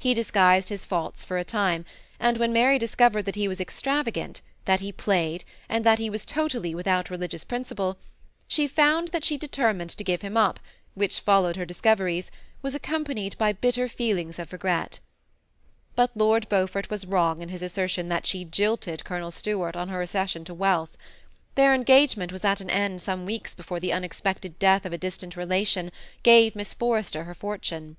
He disguised his faults for a time, and when Mary dis 134 THE SEMI ATTACHED COUPLE, covered that he was extravagant, that he plajed, and that he was totally without religious principle, she found that the determination to give him up, which followed her discoveries, was accompanied hj bitter feelings of regret But Lord Beaufort was wrong in his assertion that she jilted Colonel Stuart on her accession to wealth. Their engagement was at an end some weeks before the unexpected death of a distant relation gave Miss Forrester her fortune.